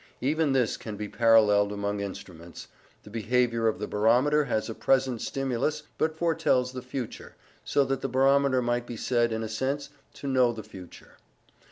Even this can be paralleled among instruments: the behaviour of the barometer has a present stimulus but foretells the future, so that the barometer might be said, in a sense, to know the future.